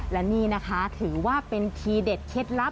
และนี่นะคะถือว่าเป็นทีเด็ดเคล็ดลับ